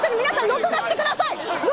録画して下さい！